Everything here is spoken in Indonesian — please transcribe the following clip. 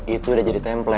itu udah jadi template